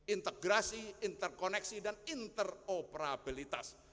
integrasi interkoneksi dan interoperabilitas